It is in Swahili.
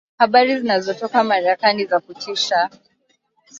habari zinazotoka Marekani ni za kutisha